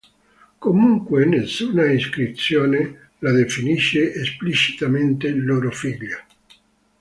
Comunque, nessuna iscrizione la definisce esplicitamente loro figlia.